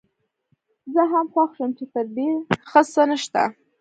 زه هم خوښ شوم چې تر دې ښه څه نشته.